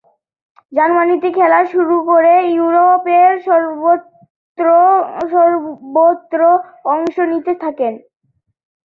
জার্মানিতে খেলা শুরু করে ইউরোপের সর্বত্র অংশ নিতে থাকেন।